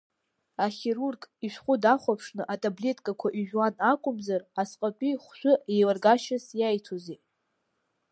Ахирург ишәҟәы дахәаԥшны, атаблеткақәа ижәуан акәымзар, асҟатәи хәшәы еилыргашьас иаиҭози.